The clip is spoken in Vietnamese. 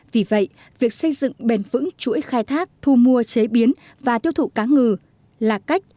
vì vậy việc xây dựng bền vững chuỗi khai thác thu mua chế biến và tiêu thụ cá ngừ là cách